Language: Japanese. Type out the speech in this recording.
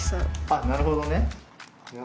あっなるほどね。